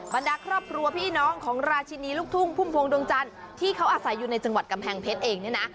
บรรดาครอบครัวพี่น้องของราชินีลูกทุ่งพุ่มพวงดวงจันทร์ที่เขาอาศัยอยู่ในจังหวัดกำแพงเพชรเองเนี่ยนะ